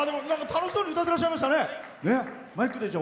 楽しそうに歌ってらっしゃいましたね。